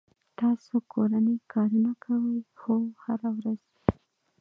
تاسو کورنی کارونه کوئ؟ هو، هره ورځ